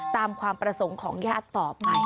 ตามความประสงค์ของญาติต่อไป